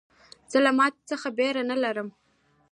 زه له ماتو څخه بېره نه لرم.